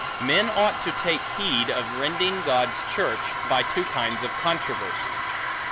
Men ought to take heed, of rending God's church, by two kinds of controversies.